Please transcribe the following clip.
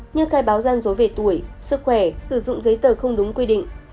như khai báo gian dối về tuổi sức khỏe sử dụng giấy tờ không đúng quy định